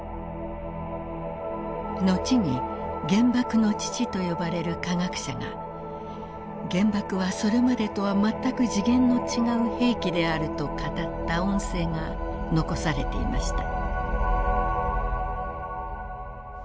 後に原爆の父と呼ばれる科学者が原爆はそれまでとは全く次元の違う兵器であると語った音声が残されていました。